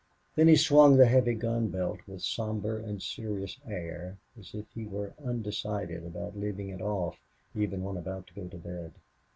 Then he swung the heavy gun belt with somber and serious air, as if he were undecided about leaving it off even when about to go to bed.